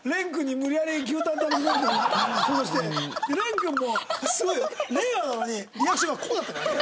廉君もすごい令和なのにリアクションがこうだったからね。